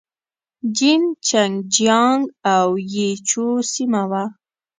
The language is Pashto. جين چنګ جيانګ او يي جو سيمه وه.